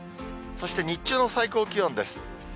そして日中の最高気温です。